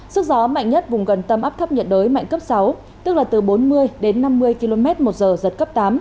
sức gió mạnh nhất vùng gần tâm áp thấp nhiệt đới mạnh cấp sáu tức là từ bốn mươi đến năm mươi km một giờ giật cấp tám